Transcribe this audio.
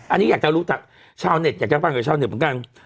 อันนี้อยากจะรู้จากชาวเน็ตอยากจะฟังจากชาวเน็ตเหมือนกัน